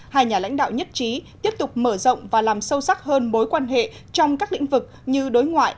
hai nhà lãnh đạo nhất trí tiếp tục mở rộng và làm sâu sắc hơn mối quan hệ trong các lĩnh vực như đối ngoại